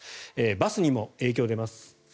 バスにも影響が出ます。